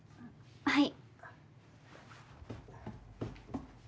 はい。